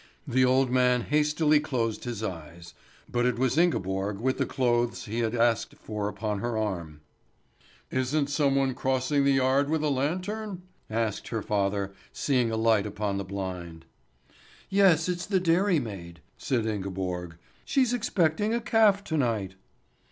The old man hastily closed his eyes; but it was Ingeborg with the clothes he had asked for upon her arm. "Isn't some one crossing the yard with a lantern?" asked her father, seeing a light upon the blind. "Yes, it's the dairymaid," said Ingeborg; "she's expecting a calf to night."